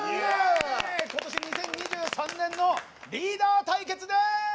今年、２０２３年のリーダー対決です。